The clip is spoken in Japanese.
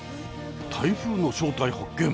台風の正体発見！